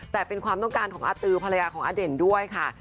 แต่เป็นความต้องการของอาตือภรรยาของอเด่นด้วยค่ะ